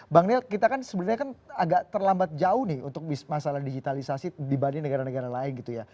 bang nel kita kan sebenarnya kan agak terlambat jauh nih untuk masalah digitalisasi dibanding negara negara lain gitu ya